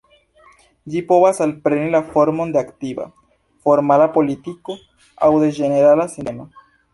Ĝi povas alpreni la formon de aktiva, formala politiko aŭ de ĝenerala sinteno.